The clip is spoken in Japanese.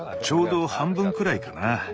ちょうど半分くらいかな。